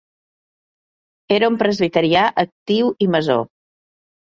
Era un presbiterià actiu i Masó.